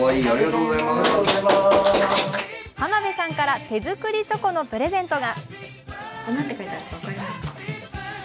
浜辺さんから手作りチョコのプレゼントが。